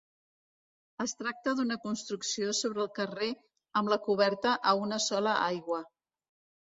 Es tracta d'una construcció sobre el carrer amb la coberta a una sola aigua.